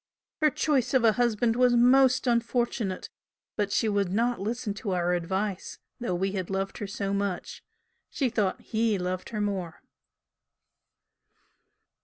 Her choice of a husband was most unfortunate but she would not listen to our advice, though we had loved her so much she thought 'he' loved her more."